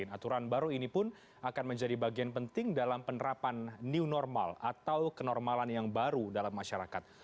aturan baru ini pun akan menjadi bagian penting dalam penerapan new normal atau kenormalan yang baru dalam masyarakat